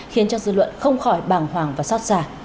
khiến cho dư luận không khỏi bàng hoàng và xót giả